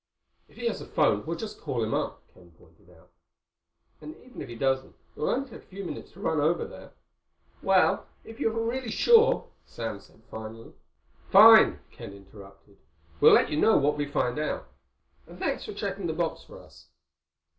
"If he has a phone we'll just call him up," Ken pointed out. "And even if he doesn't it will only take a few minutes to run over there." "Well, if you're sure—" Sam said finally. "Fine," Ken interrupted. "We'll let you know what we find out. And thanks for checking the box for us."